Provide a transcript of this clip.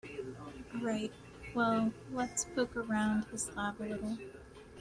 Right, well let's poke around his lab a little.